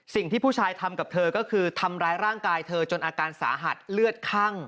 สิ่งที่ผู้ชายทำกับเธอก็คือทำร้ายร่างกายเธอจนอาการสาหัสเลือดคั่ง